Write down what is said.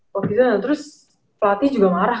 waktu itu terus pelatih juga marah